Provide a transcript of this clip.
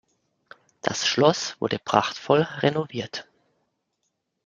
Das Schloss wurde prachtvoll renoviert.